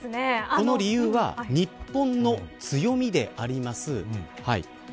この理由は日本の強みであります